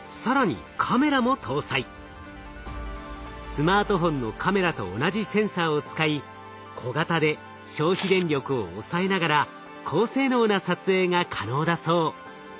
スマートフォンのカメラと同じセンサーを使い小型で消費電力を抑えながら高性能な撮影が可能だそう。